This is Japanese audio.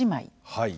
はい。